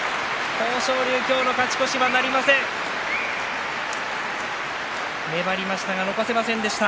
豊昇龍、今日の勝ち越しはなりませんでした。